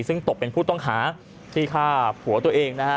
ซึ่งตกเป็นผู้ต้องหาที่ฆ่าผัวตัวเองนะฮะ